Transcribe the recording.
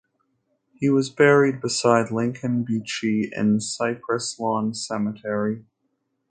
He was buried beside Lincoln Beachey in Cypress Lawn Cemetery.